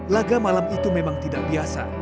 laga malam itu memang tidak biasa